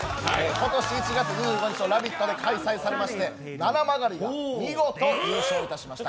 今年１月２５日の「ラヴィット！」で開催されまして、ななまがりが見事優勝いたしました。